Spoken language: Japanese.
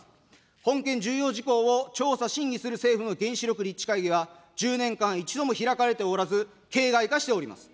本件重要事項を調査、審議する政府の原子力立地会議は１０年間、一度も開かれておらず、形骸化しております。